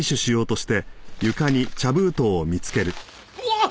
うわっ！